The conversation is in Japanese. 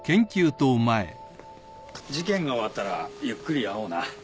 事件が終わったらゆっくり会おうな。